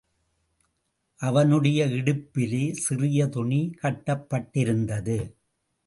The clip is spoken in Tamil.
அவனுடைய இடுப்பிலே சிறிய துணி கட்டப்பட்டிருந்தது.